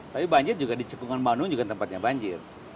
tapi banjir juga di cepungan bandung juga tempatnya banjir